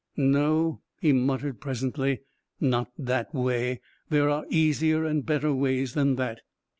"No," he muttered presently; "not that way. There are easier and better ways than that."